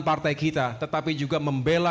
partai kita tetapi juga membela